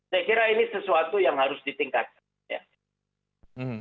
saya kira ini sesuatu yang harus ditingkatkan